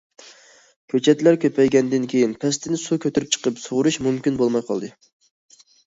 كۆچەتلەر كۆپەيگەندىن كېيىن، پەستىن سۇ كۆتۈرۈپ چىقىپ سۇغىرىش مۇمكىن بولماي قالدى.